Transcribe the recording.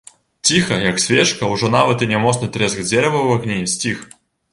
Ціха, як свечка, ужо нават і нямоцны трэск дзерава ў агні сціх.